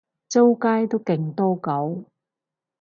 周街都勁多狗